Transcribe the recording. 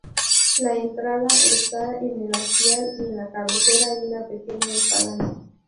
La entrada está en el hastial y en la cabecera hay una pequeña espadaña.